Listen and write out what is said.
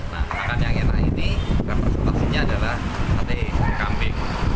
nah makan yang enak ini representasinya adalah sate kambing